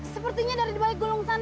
sepertinya dari di balik golong sana